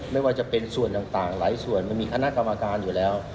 ไม่ว่าจะเป็นส่วนต่างหลายส่วนมันมีคณะกรรมการอยู่แล้ว